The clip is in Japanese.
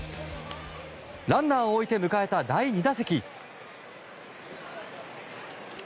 ランナーを置いて迎えた第２打席。